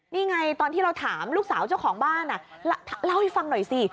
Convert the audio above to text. นี่ไงตอนที่เราถามลูกสาวเจ้าของบ้านเล่าให้ฟังหน่อยสิ